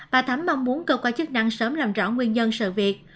bà thắm mong muốn cơ quan chức năng sớm làm rõ nguyên nhân sự việc